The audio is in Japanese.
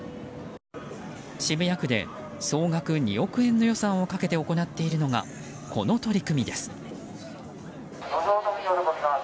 渋谷区で総額２億円の予算をかけて行っているのがこの取り組みです。